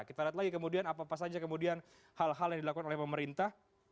kita lihat lagi kemudian apa apa saja kemudian hal hal yang dilakukan oleh pemerintah